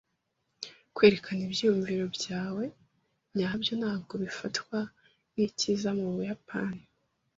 Kwerekana ibyiyumvo byawe nyabyo ntabwo bifatwa nkicyiza mubuyapani.